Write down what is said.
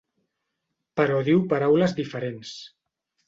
Però diu paraules diferents.